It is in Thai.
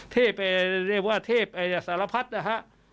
เทพเรียกว่าเทพสารพัฒน์นะคะ